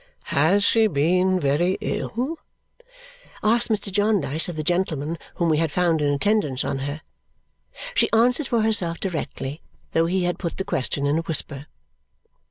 "Has she been very ill?" asked Mr. Jarndyce of the gentleman whom we had found in attendance on her. She answered for herself directly, though he had put the question in a whisper.